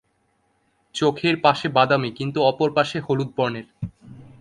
চোখের পাশে বাদামি, কিন্তু অপর পাশে হলুদ বর্ণের।